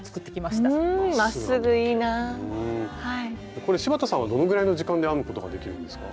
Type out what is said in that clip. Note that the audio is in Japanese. これ柴田さんはどのぐらいの時間で編むことができるんですか？